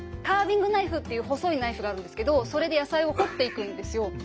カービングナイフっていう細いナイフがあるんですけどそれで野菜を彫っていくんですよ。